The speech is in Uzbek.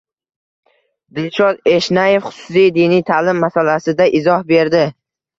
Dilshod Eshnayev xususiy diniy ta'lim masalasida izoh berdi